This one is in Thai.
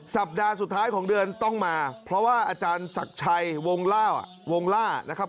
สัปดาห์สุดท้ายของเดือนต้องมาเพราะว่าอาจารย์ศักดิ์ชัยวงล่าวงล่านะครับ